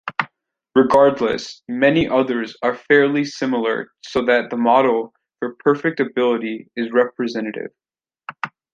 Regardless, many others are fairly similar so that the model for perfect ability is representative.